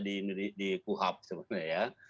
di kuhap sebenarnya ya